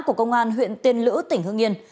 của công an huyện tiên lữ tỉnh hương yên